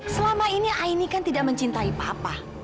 selama ini aini kan tidak mencintai papa